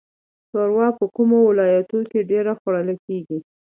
شوروا په کومو ولایتونو کې ډیره خوړل کیږي؟